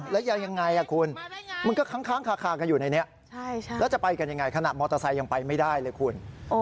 แล้วยังไงคุณมันก็ค้างคากันอยู่ในนี้แล้วจะไปกันยังไงขณะมอเตอร์ไซค์ยังไปไม่ได้เลยคุณ